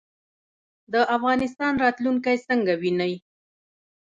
د افغانستان راتلونکی څنګه وینئ؟